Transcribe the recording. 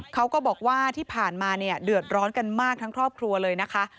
เขาก็บอกว่าที่ผ่านมาเนี่ยเดือดร้อนกันมากทั้งครอบครัวเลยนะคะ